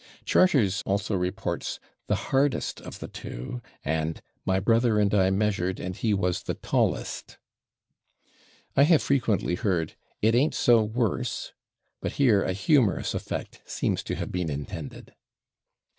Charters also reports "the /hardest/ of the two" and "my brother and I measured and he was the /tallest/." I have frequently heard "it ain't so /worse/," but here a humorous effect seems to have been intended.